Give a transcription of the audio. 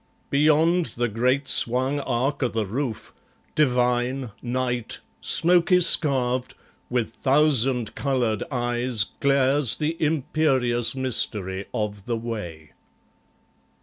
Beyond the great swung arc o' the roof, divine, Night, smoky scarv'd, with thousand coloured eyes Glares the imperious mystery of the way.